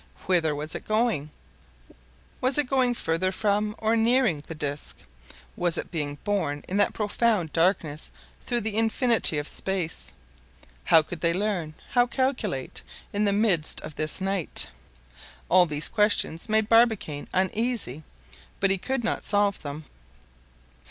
Whither was it going? Was it going farther from, or nearing, the disc? Was it being borne in that profound darkness through the infinity of space? How could they learn, how calculate, in the midst of this night? All these questions made Barbicane uneasy, but he could not solve them.